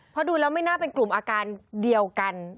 เพราะดูแล้วไม่น่าเป็นกลุ่มอาการเดียวกัน